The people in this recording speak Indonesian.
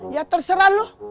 ya terserah lu